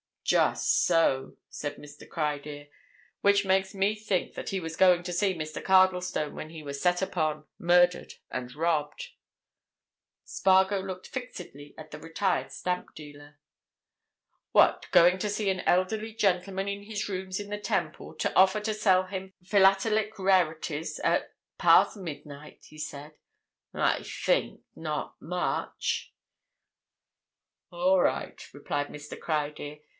"Just so," said Mr. Criedir. "Which makes me think that he was going to see Mr. Cardlestone when he was set upon, murdered, and robbed." Spargo looked fixedly at the retired stamp dealer. "What, going to see an elderly gentleman in his rooms in the Temple, to offer to sell him philatelic rarities at—past midnight?" he said. "I think—not much!" "All right," replied Mr. Criedir.